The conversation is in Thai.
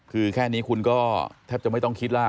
คือแค่นี้คุณก็แทบจะไม่ต้องคิดแล้ว